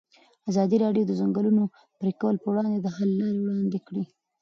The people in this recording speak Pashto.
ازادي راډیو د د ځنګلونو پرېکول پر وړاندې د حل لارې وړاندې کړي.